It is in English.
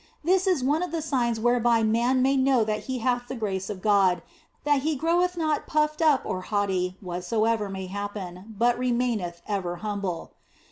This is one of the signs whereby man may know that he hath the grace of God, that he groweth not OF FOLIGNO 53 puffed up or haughty whatsoever may happen, but re maineth ever humble.